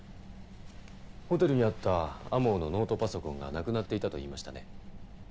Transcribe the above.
ホテルにあった天羽のノートパソコンがなくなっていたと言いましたね？